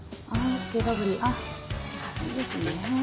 いいですね。